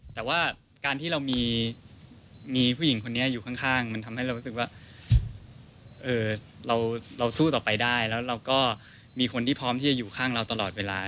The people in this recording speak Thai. แต่ว่าการที่เรามีผู้หญิงคนนี้อยู่ข้างมันทำให้เรารู้สึกว่าเราสู้ต่อไปได้แล้วเราก็มีคนที่พร้อมที่จะอยู่ข้างเราตลอดเวลา